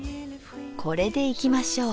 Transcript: これでいきましょう。